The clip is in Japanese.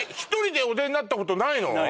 １人でお出になったことないの？